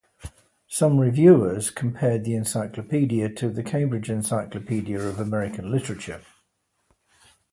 Some reviewers compared the encyclopedia to "The Cambridge Encyclopedia of American Literature".